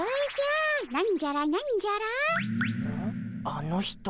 あの人。